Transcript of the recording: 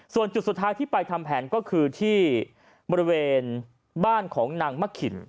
ส่วนจุดสุดท้ายที่ไปทำแผนก็คือที่บริเวณบ้านของนางมะขิน